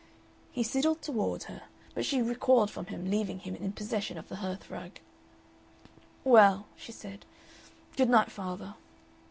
He sidled toward her, but she recoiled from him, leaving him in possession of the hearth rug. "Well," she said, "good night, father."